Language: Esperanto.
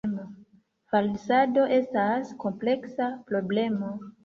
Falsado estas kompleksa problemo.